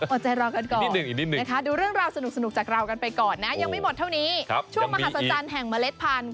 อดใจรอกันก่อนนะคะดูเรื่องราวสนุกจากเรากันไปก่อนนะยังไม่หมดเท่านี้ช่วงมหัศจรรย์แห่งเมล็ดพันธุ